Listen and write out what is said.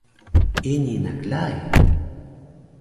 Ini na klai